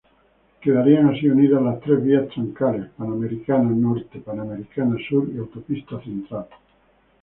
Quedarían así unidas las tres vías troncales: Panamericana Norte, Panamericana Sur y Autopista Central.